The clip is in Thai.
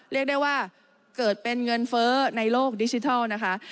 เรียกได้ว่าเกิดเป็นเงินเฟ้อในโลกดิจิทัลนะคะ